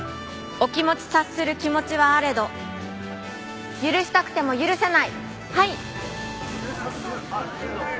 お気持ち察する気持ちはあれど許したくても許せない！